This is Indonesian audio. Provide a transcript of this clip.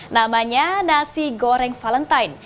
namanya nasi goreng valentine